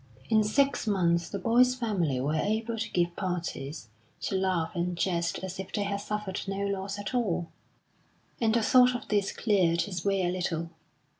In six months the boy's family were able to give parties, to laugh and jest as if they had suffered no loss at all; and the thought of this cleared his way a little.